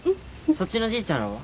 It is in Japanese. そっちのじいちゃんらは？